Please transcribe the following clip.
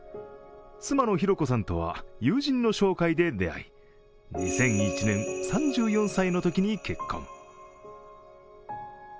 妻の裕子さんとは友人の紹介で出会い２００１年、３４歳のときに結婚。